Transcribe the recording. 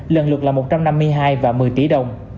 lần lượt là một trăm năm mươi hai và một mươi tỷ đồng